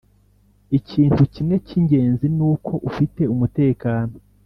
ikintu kimwe cyingenzi nuko ufite umutekano.